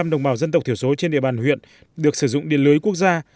chín mươi năm đồng bào dân tộc thiểu số trên địa bàn huyện được sử dụng điện lưới quốc gia